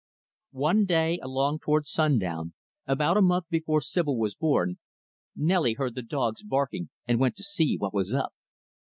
"One day, along toward sundown, about a month before Sibyl was born, Nelly heard the dogs barking and went to see what was up.